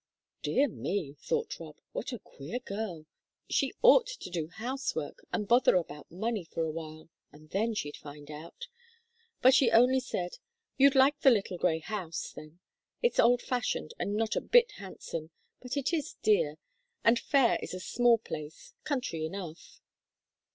"Dear me," thought Rob, "what a queer girl! She ought to do housework, and bother about money for a while, and then she'd find out!" But she only said: "You'd like the little grey house, then. It's old fashioned, and not a bit handsome, but it is dear, and Fayre is a small place country enough."